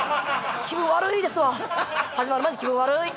気分悪いですわ始まる前に気分悪い！